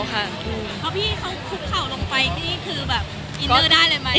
พี่เขาขุบเข่านงไปอยู่นึงก็อินเนอร์ได้เลยไหม